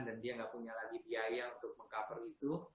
dan dia gak punya lagi biaya untuk meng cover itu